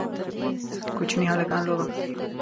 کوچني هلکان لوبه کوي